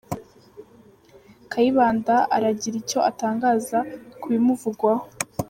Kayibanda aragira icyo atangaza ku bimuvugwaho